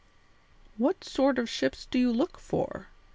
"What sort of ships do you look for?"